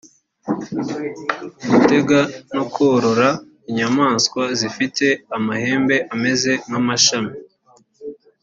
gutega no korora inyamaswa zifite amahembe ameze nk’amashami